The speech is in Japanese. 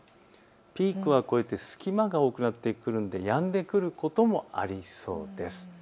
ピークは越えて隙間が多くなってくるのでやんでくることもありそうです。